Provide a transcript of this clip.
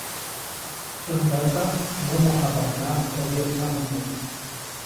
Äj ndata, mumu jamaʼuŋnaʼajk ʼobya tsaʼmomo.